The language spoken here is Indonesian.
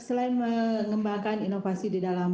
selain mengembangkan inovasi di dalam